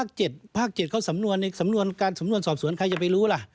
ก็ภาค๗เขาสำนวนสำนวนการสอบสวนใครจะไปรู้ล่ะ